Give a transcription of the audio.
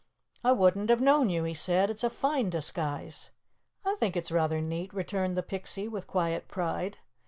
"I wouldn't have known you," he said. "It's a fine disguise." "I think it's rather neat," returned the Pixie with quiet pride.